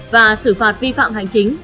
và xử phạt vi phạm hành chính